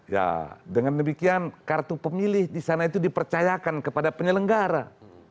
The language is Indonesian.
ya dengan demikian kartu pemilih disana itu dipercayakan kepada penyelenggaran